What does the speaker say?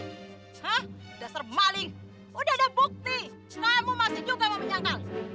hah dasar maling udah ada bukti kamu masih juga mau menyangkal